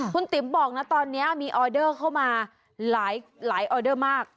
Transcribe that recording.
คุณติ๋มบอกนะตอนนี้มีออเดอร์เข้ามาหลายออเดอร์มาก